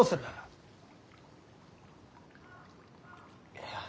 いや。